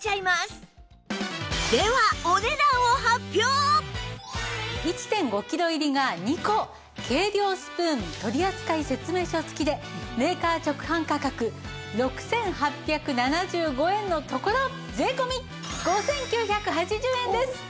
では １．５ キロ入りが２個計量スプーン取扱説明書付きでメーカー直販価格６８７５円のところ税込５９８０円です。